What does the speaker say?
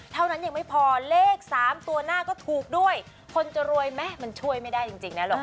เท่านั้นยังไม่พอเลข๓ตัวหน้าก็ถูกด้วยคนจะรวยไหมมันช่วยไม่ได้จริงนะลูก